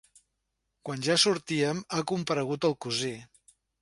Quan ja sortíem ha comparegut el cosí.